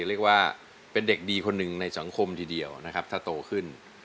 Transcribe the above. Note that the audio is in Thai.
เรียกว่าเป็นเด็กดีคนหนึ่งในสังคมทีเดียวนะครับถ้าโตขึ้น